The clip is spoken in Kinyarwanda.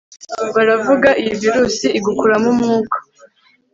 baravuga iyi virusi igukuramo umwuka